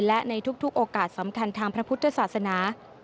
และในทุกโอกาสสำคัญทางพระพุทธศาสนา